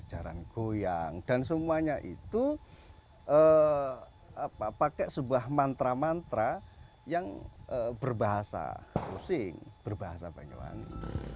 jarang goyang dan semuanya itu pakai sebuah mantra mantra yang berbahasa osing berbahasa banyuwangi